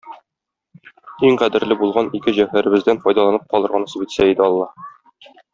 Иң кадерле булган ике җәүһәребездән файдаланып калырга насыйп итсә иде Аллаһ.